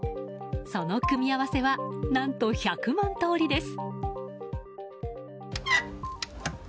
その組み合わせは何と１００万通りです。